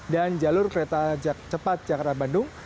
dan jalur kereta cepat jakarta bandung